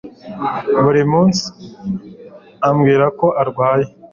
buri munsi ambwirako arwaye